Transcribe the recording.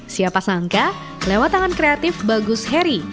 siapa sangka lewat tangan kreatif bagus heri